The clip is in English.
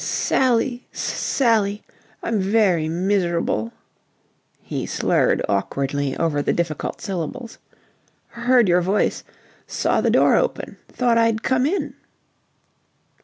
"Sally... S Sally... I'm very miserable." He slurred awkwardly over the difficult syllables. "Heard your voice. Saw the door open. Thought I'd come in."